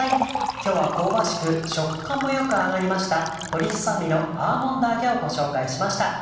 今日は香ばしく食感もよく揚がりました鶏ささ身のアーモンド揚げをご紹介しました。